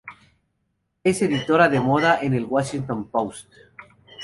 Es editora de moda en el Washington Post.